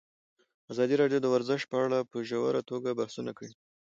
ازادي راډیو د ورزش په اړه په ژوره توګه بحثونه کړي.